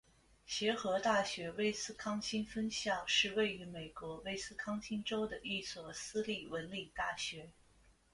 协和大学威斯康辛分校是位于美国威斯康辛州的一所私立文理大学。